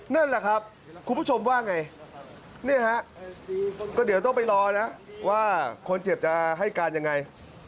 นั่นแหละครับคุณผู้ชมว่าไงนี่ฮะก็เดี๋ยวต้องไปรอนะว่าคนเจ็บจะให้การยังไง